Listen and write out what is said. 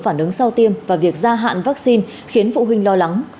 phản ứng sau tiêm và việc gia hạn vaccine khiến phụ huynh lo lắng